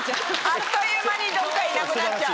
あっという間にどっかいなくなっちゃう。